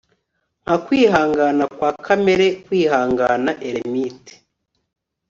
nka kwihangana kwa kamere kwihangana eremite